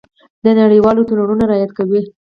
د نړیوالو تړونونو رعایت کوي.